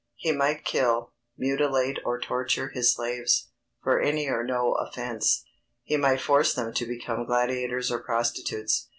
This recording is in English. _He might kill, mutilate or torture his slaves, for any or no offence; he might force them to become gladiators or prostitutes_.